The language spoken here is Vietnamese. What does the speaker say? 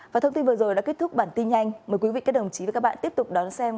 và thông tin vừa rồi đã kết thúc bản tin nhanh mời quý vị các đồng chí và các bạn tiếp tục đón xem